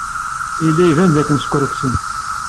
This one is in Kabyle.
Yella iban dakken skerksen.